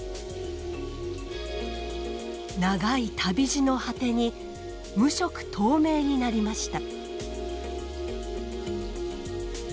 長い旅路の果てに無色透明になりました。